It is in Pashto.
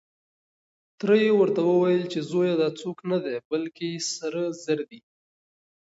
تره يې ورته وويل چې زويه دا څوک نه دی، بلکې سره زر دي.